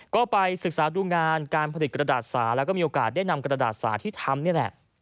ก็ไปศึกษาดูงานการผลิตกระดาษสาแล้วก็มีโอกาสได้นำกระดาษสาที่ทำนี่แหละ